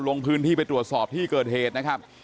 ลงพื้นที่ไปตรวจสอบที่เกิดเหตุนะครับ